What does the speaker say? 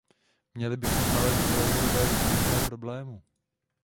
Měli bychom nalézt dlouhodobé řešení tohoto problému.